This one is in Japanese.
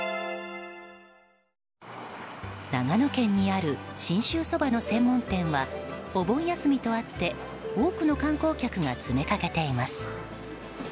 長野県にある信州そばの専門店はお盆休みとあって多くの観光客が詰めかけています。